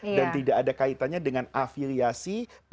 ini kan sebetulnya tidak ada kaitannya dengan kementrian agama